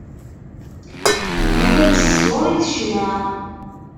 Yella-d s tẓuri d ccna.